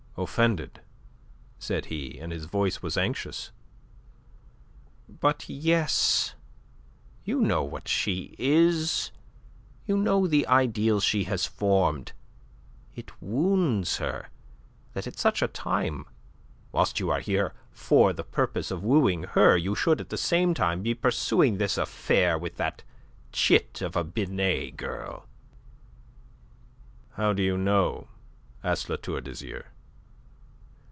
"Offended?" said he, and his voice was anxious. "But yes. You know what she is. You know the ideals she has formed. It wounds her that at such a time whilst you are here for the purpose of wooing her you should at the same time be pursuing this affair with that chit of a Binet girl." "How do you know?" asked La Tour d'Azyr.